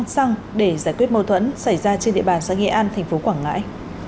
xăng để giải quyết mâu thuẫn xảy ra trên địa bàn xã nghệ an thành phố quảng ngãi